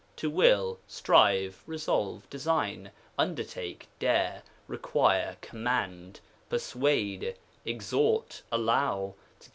To will, strive, resolve, design, undertake, dare, require, command, persuade, exhort, * The Infin.